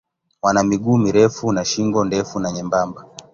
Wana miguu mirefu na shingo ndefu na nyembamba.